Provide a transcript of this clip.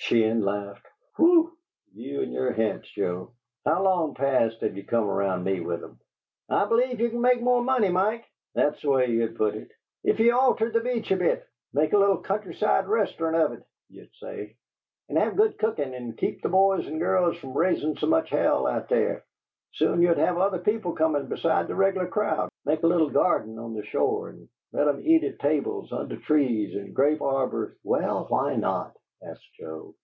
Sheehan laughed. "Whoo! You and yer hints, Joe! How long past have ye come around me with 'em! 'I b'lieve ye c'd make more money, Mike' that's the way ye'd put it, 'if ye altered the Beach a bit. Make a little country side restaurant of it,' ye'd say, 'and have good cookin', and keep the boys and girls from raisin' so much hell out there. Soon ye'd have other people comin' beside the regular crowd. Make a little garden on the shore, and let 'em eat at tables under trees an' grape arbors '" "Well, why not?" asked Joe.